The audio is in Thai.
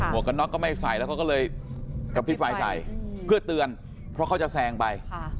วกกันน็อกก็ไม่ใส่แล้วเขาก็เลยกระพริบไฟใส่เพื่อเตือนเพราะเขาจะแซงไป